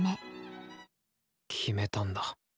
決めたんだ。